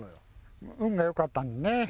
運が良かったんだねえ。